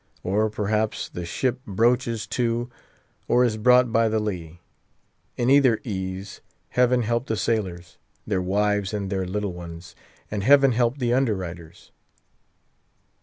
Or, perhaps, the ship broaches to, or is brought by the lee. In either ease, Heaven help the sailors, their wives and their little ones; and heaven help the underwriters.